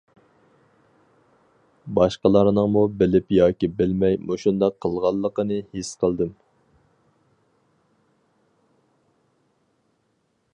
باشقىلارنىڭمۇ بىلىپ ياكى بىلمەي مۇشۇنداق قىلغانلىقىنى ھېس قىلدىم.